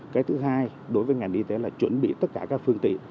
cái thứ hai đối với ngành y tế là chuẩn bị tất cả các phương tiện